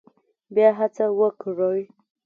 بیا هڅه وکړئ